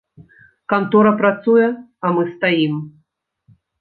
Кантора працуе, а мы стаім.